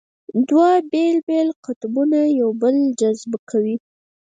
دوه بېلابېل قطبونه یو بل جذبه کوي.